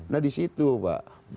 nah di situ pak